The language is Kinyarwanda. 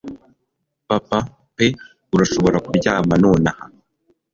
Papa pe urashobora kuryama nonaha.